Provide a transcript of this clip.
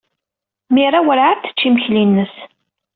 Mira werɛad tecci imekli-nnes.